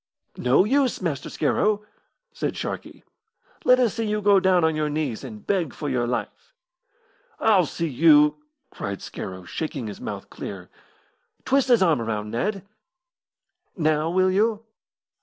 "No use, Master Scarrow," said Sharkey. "Let us see you go down on your knees and beg for your life." "I'll see you " cried Scarrow, shaking his mouth clear. "Twist his arm round, Ned. Now will you?"